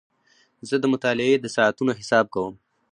زه د مطالعې د ساعتونو حساب کوم.